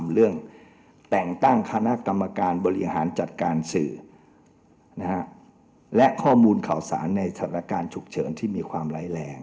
เรื่องแต่งตั้งคณะกรรมการบริหารจัดการสื่อและข้อมูลข่าวสารในสถานการณ์ฉุกเฉินที่มีความร้ายแรง